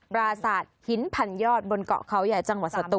ปราสาทหินผันยอดบนเกาะเขาใหญ่จังหวัดศตุป